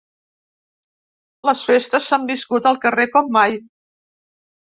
Les festes s’han viscut al carrer com mai.